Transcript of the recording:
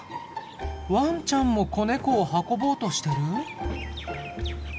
ワンちゃんも子ネコを運ぼうとしてる？